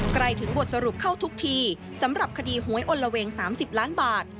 ใกล้ถึงบทสรุปเข้าทุกทีสำหรับคดีหวยอลละเวง๓๐ล้านบาท